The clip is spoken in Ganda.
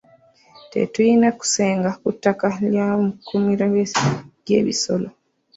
Tetulina kusenga ku ttaka ly'amakuumiro g'ebisolo.